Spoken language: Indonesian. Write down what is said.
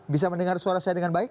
bisa mendengar suara saya dengan baik